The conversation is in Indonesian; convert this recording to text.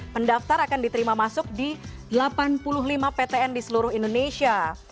pendaftar akan diterima masuk di delapan puluh lima ptn di seluruh indonesia